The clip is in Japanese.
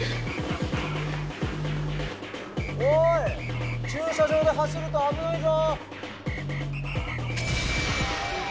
おい駐車場で走るとあぶないぞ！